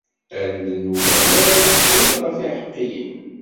Allen n Umeɣlal zgant ɣef yiḥeqqiyen.